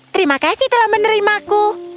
terima kasih telah menerimaku